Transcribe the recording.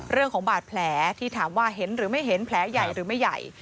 เรื่องของบาดแผลที่ถามว่าเห็นหรือไม่เห็นแผลใหญ่หรือไม่ใหญ่